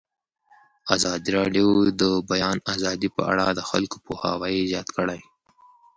ازادي راډیو د د بیان آزادي په اړه د خلکو پوهاوی زیات کړی.